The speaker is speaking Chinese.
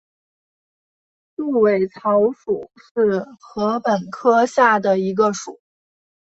束尾草属是禾本科下的一个属。